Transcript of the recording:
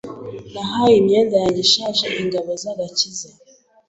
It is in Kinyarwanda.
Nahaye imyenda yanjye ishaje ingabo z'agakiza.